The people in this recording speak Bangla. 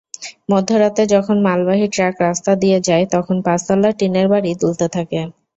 মধ্যরাতে যখন মালবাহী ট্রাক রাস্তা দিয়ে যায়, তখন পাঁচতলা টিনের বাড়ি দুলতে থাকে।